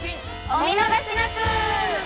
お見逃しなく！